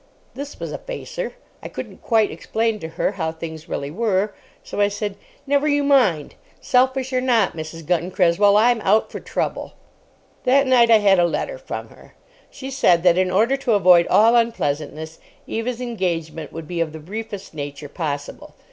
This was a facer. I couldn't quite explain to her how things really were, so I said: "Never you mind. Selfish or not, Mrs. Gunton Cresswell, I'm out for trouble." That night I had a letter from her. She said that in order to avoid all unpleasantness, Eva's engagement would be of the briefest nature possible.